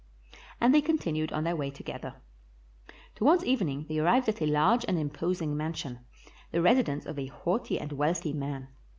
And they continued on their way together. Towards evening they arrived at a large and imposing mansion, the residence of a haughty and wealthy man.